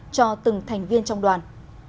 cho từng thành viên trong đoàn